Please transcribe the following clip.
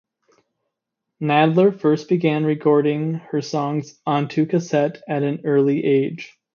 Nadler first began recording her songs onto cassette at an early age.